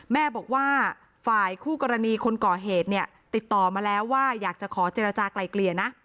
แม่บอกว่าฝ่ายคู่กรณีคนก่อเหตุเนี่ยติดต่อมาแล้วว่าอยากจะขอเจรจากลายเกลี่ยนะ